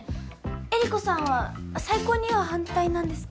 衿子さんは再婚には反対なんですか？